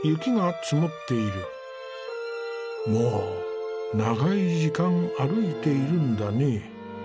もう長い時間歩いているんだね。